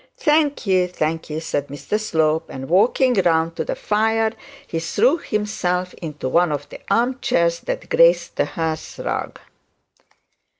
'Thank ye, thank ye,'said Mr Slope, and walking round to the fire, he threw himself into one of the arm chairs that graced the hearth rug.